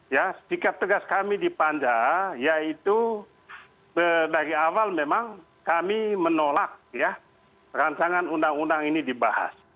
ya sikap tegas kami di panja yaitu dari awal memang kami menolak ya rancangan undang undang ini dibahas